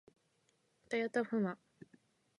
たやたふま